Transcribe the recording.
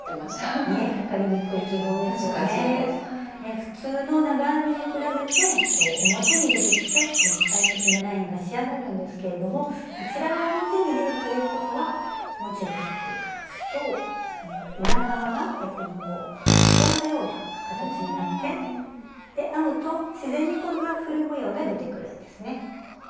普通の長編みに比べて表に出てきて立体的なラインが仕上がるんですけれどもこちらが表に出るということはもう一度ひっくり返すと裏側が逆にこうへこんだような形になってで編むと自然にこのワッフル模様が出てくるんですね。